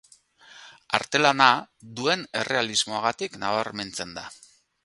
Artelana duen errealismoagatik nabarmentzen da.